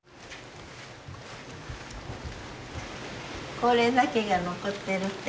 これだけが残ってるって。